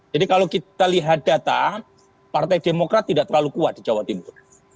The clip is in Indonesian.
jadi kalau kita lihat data partai demokrat tidak terlalu kuat di jawa timur